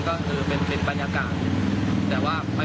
ก็คือเป็นบรรยากาศ